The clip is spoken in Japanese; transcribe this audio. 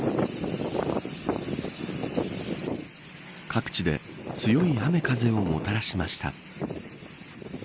各地で強い雨風をもたらしました。